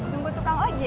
tunggu tukang ojek